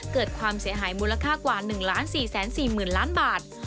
เกิดความเสียหายมูลค่ากว่า๑๔๔๐๐๐ล้านบาท